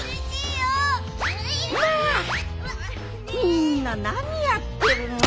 みんななにやってるの。